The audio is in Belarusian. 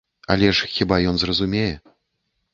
Але ж хіба ён зразумее?